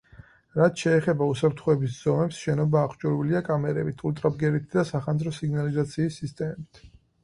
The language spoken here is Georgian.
რაც შეეხება უსაფრთხოების ზომებს, შენობა აღჭურვილია კამერებით, ულტრაბგერითი და სახანძრო სიგნალიზაციის სისტემებით.